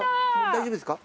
大丈夫ですか？